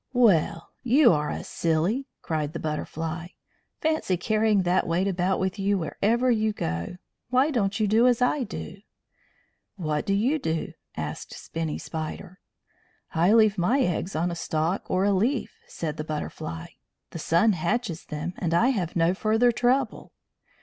"Well, you are a silly!" cried the Butterfly. "Fancy carrying that weight about with you wherever you go. Why don't you do as I do?" "What do you do?" asked Spinny Spider. "I leave my eggs on a stalk or a leaf," said the Butterfly. "The sun hatches them, and I have no further trouble."